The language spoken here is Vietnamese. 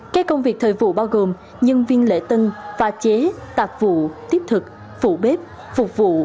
các công việc thời vụ bao gồm nhân viên lễ tân pha chế tạp vụ tiếp thực phụ bếp phục vụ